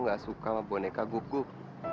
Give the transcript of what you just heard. gak suka sama boneka guguk